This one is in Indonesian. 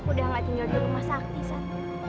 aku udah gak tinggal di rumah sakti sat